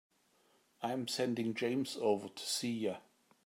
I'm sending James over to see you.